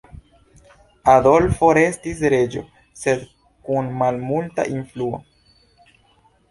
Adolfo restis reĝo, sed kun malmulta influo.